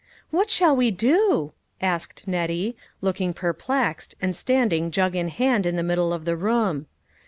" What shall we do ?" asked Nettie, looking perplexed, and standing jug in hand in the mid dle of the room.